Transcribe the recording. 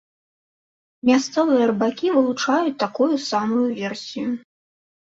Мясцовыя рыбакі вылучаюць такую самую версію.